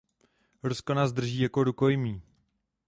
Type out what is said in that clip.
Rusko nás drží jako rukojmí.